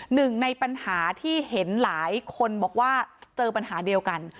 หนึ่งในปัญหาที่เห็นหลายคนบอกว่าเจอปัญหาเดียวกัน